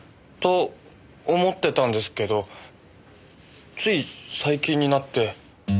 と思ってたんですけどつい最近になって。